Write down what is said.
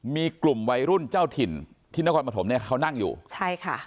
มีกลุ่มวัยรุ่นเจ้าถิ่นที่นครปฐมเนี่ยเขานั่งอยู่ใช่ค่ะ